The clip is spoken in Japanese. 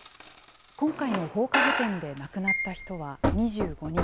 今回の放火事件で亡くなった人は２５人。